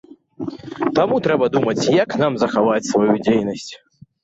Таму трэба думаць, як нам захаваць сваю дзейнасць.